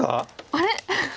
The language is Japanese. あれ！？